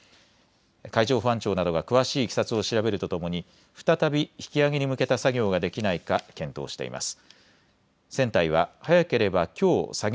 海上保安庁などが詳しいいきさつを調べるとともに再び引き揚げに向けた作業ができないか検討しています。